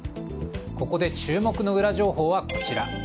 ここで注目のウラ情報はこちら。